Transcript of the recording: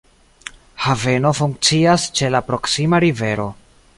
Haveno funkcias ĉe la proksima rivero.